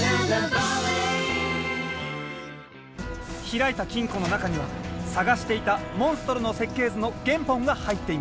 開いた金庫の中にはさがしていたモンストロの設計図の原本が入っていました。